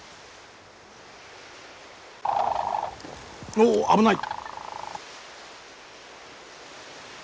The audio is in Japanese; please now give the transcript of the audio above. おおっ危ない！